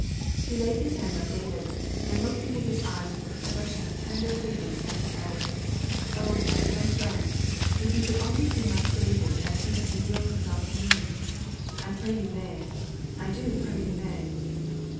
He laid his hand on David's, and looked into his eyes with an expression of tender pleading as he added: "O, my friend, if you could only see my Savior as he has revealed himself to me! I pray you may! I do pray you may!"